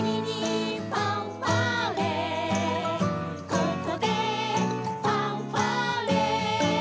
「ここでファンファーレ」